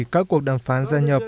các cuộc đàm phán gia nhập